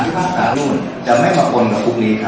แต่สามที่๕รวมจะไม่เหมาะพงกับภูมินี้ครับ